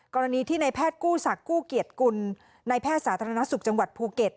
กรณีที่ในแพทย์กู้ศักดิกู้เกียรติกุลในแพทย์สาธารณสุขจังหวัดภูเก็ต